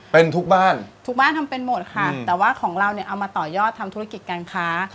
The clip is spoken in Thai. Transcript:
เป็นทุกบ้านทุกบ้านทำเป็นหมดค่ะแต่ว่าของเราเนี่ยเอามาต่อยอดทำธุรกิจการค้า